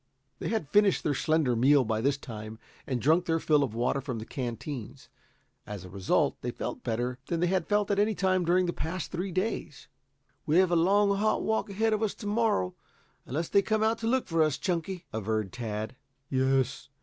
They had finished their slender meal by this time and drunk their fill of water from the canteens. As a result, they felt better than they had felt at any time during the past three days. "We have a long, hot walk ahead of us to morrow, unless they come out to look for us, Chunky," averred Tad. "Yes.